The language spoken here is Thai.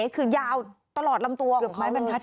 คือยาวตลอดลำตัวของเขาเลย